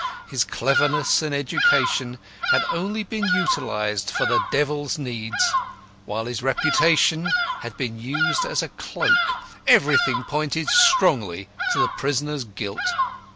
His cleverness and education had only been utilised for the devil's ends, while his reputation had been used as a cloak. Everything pointed strongly to the prisoner's guilt.